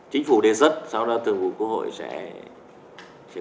chính phủ đề xuất sau đó thường vụ quốc hội sẽ